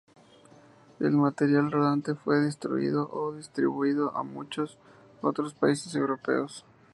El material rodante fue destruido o distribuido a muchos otros países europeos.